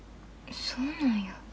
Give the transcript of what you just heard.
そうなんや。